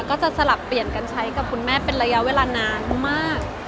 ก็จะสลับเปลี่ยนกันใช้กับคุณแม่เป็นระยะเวลานานมาก